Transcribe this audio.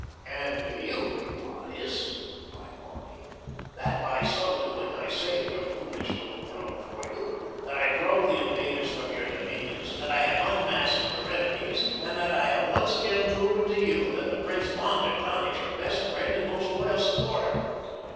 "And do you realize," replied Barney, "that by so doing I saved your foolish little throne for you; that I drove the invaders from your dominions; that I have unmasked your enemies, and that I have once again proven to you that the Prince von der Tann is your best friend and most loyal supporter?"